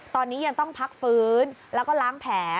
ตอนนี้ยังต้องพักฟื้นแล้วก็ล้างแผล